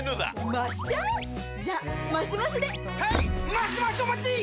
マシマシお待ちっ！！